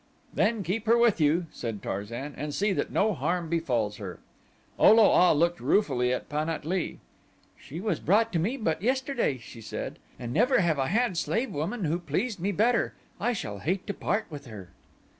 "Then keep her with you," said Tarzan, "and see that no harm befalls her." O lo a looked ruefully at Pan at lee. "She was brought to me but yesterday," she said, "and never have I had slave woman who pleased me better. I shall hate to part with her."